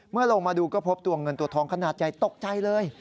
ลงมาดูก็พบตัวเงินตัวทองขนาดใหญ่ตกใจเลย